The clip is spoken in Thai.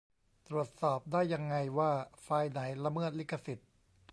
ตรวจสอบได้ยังไง ว่า ไฟล์ไหนละเมิดลิขสิทธิ์